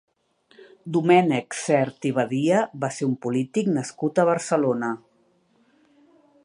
Domènec Sert i Badia va ser un polític nascut a Barcelona.